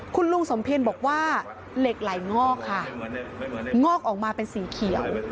คุณลุงสมเพียรบอกว่าเหล็กไหลงอกค่ะงอกออกมาเป็นสีเขียว